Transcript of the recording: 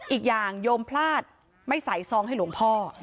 อีกอย่างโยมพลาดไม่ใส่ซองให้หลวงพ่อ